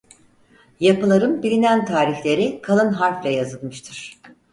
Yapıların bilinen tarihleri kalın harfle yazılmıştır.